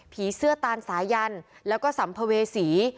ผีเสื้อตานสายันแล้วก็สำเพเวศี